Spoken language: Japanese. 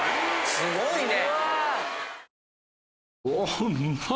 すごいね。